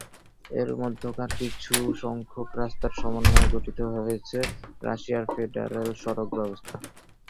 এর মধ্যকার কিছু সংখ্যক রাস্তার সমন্বয়ে গঠিত হয়েছে রাশিয়ার ফেডারেল সড়ক ব্যবস্থা।